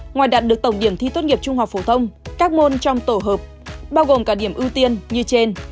ngoài đạt được tổng điểm thi tốt nghiệp trung học phổ thông các môn trong tổ hợp bao gồm cả điểm ưu tiên như trên